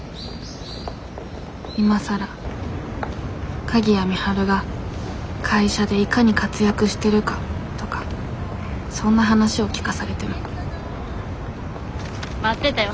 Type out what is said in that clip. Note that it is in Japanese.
今更鍵谷美晴が会社でいかに活躍してるかとかそんな話を聞かされても待ってたよ。